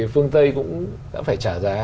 phương tây cũng đã phải trả giá